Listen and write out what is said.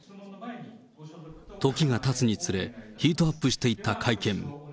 時がたつにつれ、ヒートアップしていった会見。